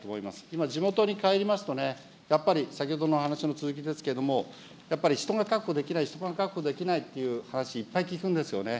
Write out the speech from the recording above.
今、地元に帰りますとね、やっぱり先ほどの話の続きですけれども、やっぱり人が確保できない、人が確保できないという話、いっぱい聞くんですよね。